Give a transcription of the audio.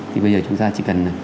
thì bây giờ chúng ta chỉ cần